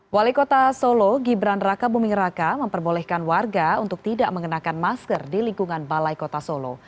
wali kota solo gibran raka buming raka memperbolehkan warga untuk tidak mengenakan masker di lingkungan balai kota solo